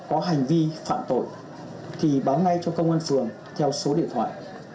có hành vi phạm tội thì báo ngay cho công an phường theo số điện thoại